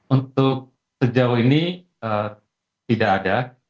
untuk sejauh ini tidak ada